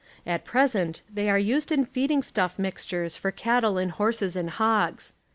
At ]) resent they are utilized in feeding stuff mixtures for cattle and horses and hogs.